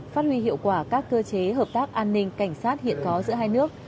phát huy hiệu quả các cơ chế hợp tác an ninh cảnh sát hiện có giữa hai nước